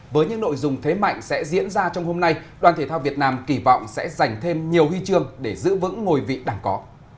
với những nội dung thế mạnh sẽ diễn ra trong hôm nay đoàn thể thao việt nam kỳ vọng sẽ giành thêm nhiều huy trường để giữ vững ngồi vị đẳng có